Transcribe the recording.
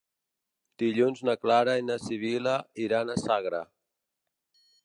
Dilluns na Clara i na Sibil·la iran a Sagra.